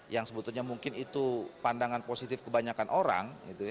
yang sebetulnya mungkin itu pandangan positif kebanyakan orang